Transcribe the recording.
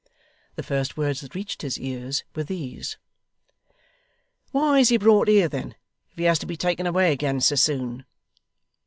The first words that reached his ears, were these: 'Why is he brought here then, if he has to be taken away again so soon?